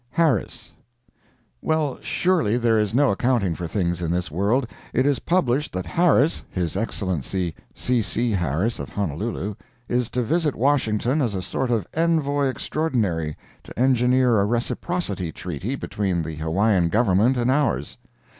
HARRIS Well, surely, there is no accounting for things in this world. It is published that Harris—His Excellency C. C. Harris, of Honolulu—is to visit Washington as a sort of Envoy Extraordinary to engineer a Reciprocity treaty between the Hawaiian Government and ours.